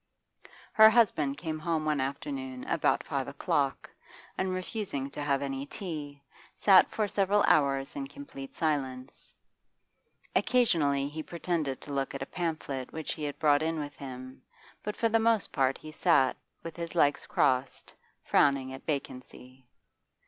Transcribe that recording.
Her husband came home one afternoon about five o'clock, and, refusing to have any tea, sat for several hours in complete silence; occasionally he pretended to look at a pamphlet which he had brought in with him, but for the most part he sat, with his legs crossed, frowning at vacancy.